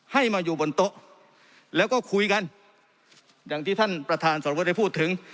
ให้มาอยู่บนโต๊ะแล้วก็คุยกันอย่างที่ท่านประธานสรวุฒิได้พูดถึง